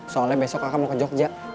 soalnya besok akan mau ke jogja